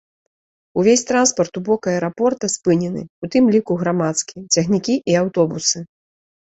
Увесь транспарт у бок аэрапорта спынены, у тым ліку грамадскі, цягнікі і аўтобусы.